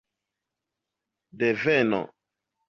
deveno